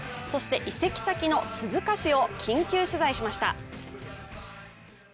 そして移籍先の鈴鹿市を緊急取材しました。